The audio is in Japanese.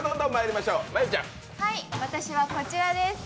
私はこちらです。